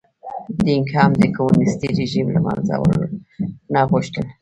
دینګ هم د کمونېستي رژیم له منځه وړل نه غوښتل.